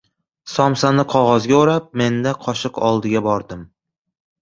Somsani qog‘ozga o‘rab, men-da qo‘shiq oldiga bordim.